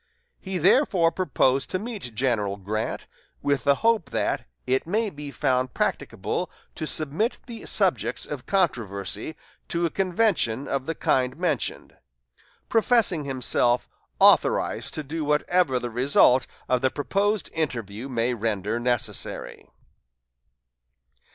He therefore proposed to meet General Grant "with the hope that ... it may be found practicable to submit the subjects of controversy ... to a convention of the kind mentioned"; professing himself "authorized to do whatever the result of the proposed interview may render necessary."